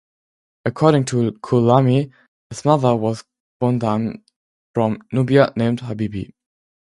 According to Kulaini, his mother was a bondmaid from Nubia named Habibi.